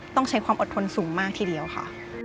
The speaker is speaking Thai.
ต้องใช้ความอดทนสูงมากทีเดียวค่ะ